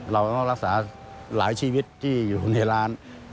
เราต้องรักษาหลายชีวิตที่อยู่ในร้าน